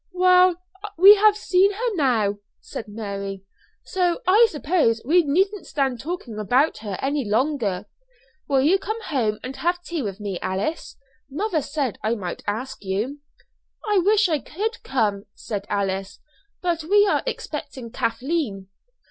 "Well, we have seen her now," said Mary, "so I suppose we needn't stand talking about her any longer. Will you come home and have tea with me, Alice? Mother said I might ask you." "I wish I could come," said Alice; "but we are expecting Kathleen."